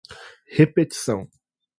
repetição